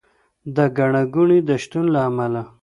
د ګڼه ګوڼې د شتون له امله